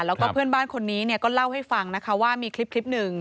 แล้วก็เพื่อนบ้านคนนี้เนี่ยก็เล่าให้ฟังนะคะว่ามีคลิปหนึ่ง